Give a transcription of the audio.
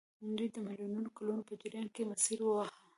دوی د میلیونونو کلونو په جریان کې مسیر وواهه.